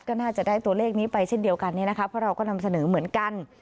ก็น่าจะได้ตัวเลขนี้ไปเช่นเดียวกันเนี่ยนะคะเพราะเราก็นำเสนอเหมือนกัน